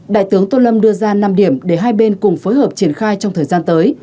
đại tướng tô lâm đưa ra năm điểm để hai bên cùng phối hợp triển khai trong thời gian tới